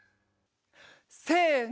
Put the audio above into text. せの！